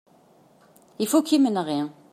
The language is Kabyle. Ifuk yimenɣi.